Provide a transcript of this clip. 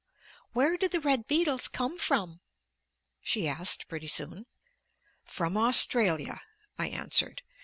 "Where did the red beetles come from?" she asked pretty soon. "From Australia," I answered.